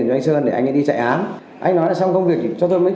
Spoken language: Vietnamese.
nên là đã có những hành vi xe phạm